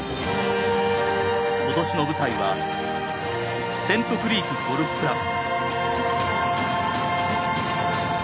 ことしの舞台は、セントクリークゴルフクラブ。